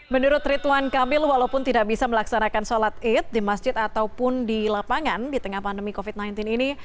menurut rituan kamil walaupun tidak bisa melaksanakan sholat id di masjid ataupun di lapangan di tengah pandemi covid sembilan belas ini